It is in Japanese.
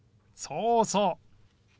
そうそう。